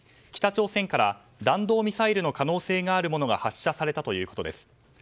北朝鮮から弾道ミサイルの可能性があるものが発射されたということです。